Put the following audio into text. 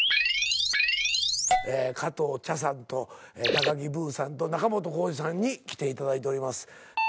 加藤茶さんと高木ブーさんと仲本工事さんに来ていただいております。